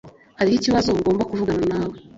Hariho ikibazo ngomba kuvugana nawe